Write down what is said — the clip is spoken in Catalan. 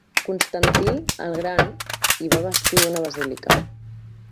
Constantí el gran hi va bastir una basílica.